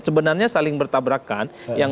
sebenarnya saling bertabrakan yang